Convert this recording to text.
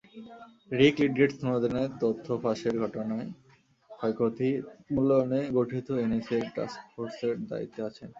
রিক Lidgate স্নোডেনের তথ্য ফাঁসের ঘটনায় ক্ষয়ক্ষতি মূল্যায়নে গঠিত এনএসএর টাস্কফোর্সের দায়িত্বে আছেন।